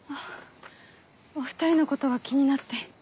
お２人のことが気になって。